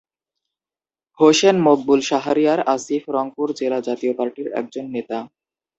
হোসেন মকবুল শাহরিয়ার আসিফ রংপুর জেলা জাতীয় পার্টির একজন নেতা।